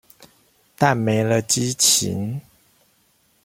但沒了激情